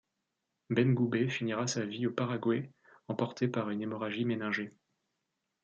Ben-Ghou-Bey finira sa vie au Paraguay emporté par une hémorragie méningée.